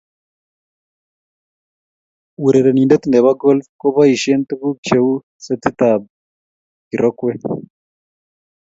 Urerenindet nebo golf koboishieen tuguuk cheuu setitab kirokweek